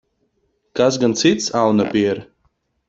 Kas gan cits, aunapiere?